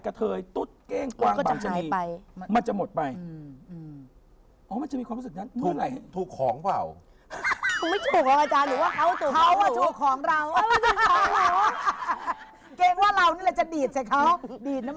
กระเทยตุ๋ดก๊ิ้งกว้างบ่างชนะนี